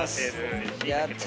やった！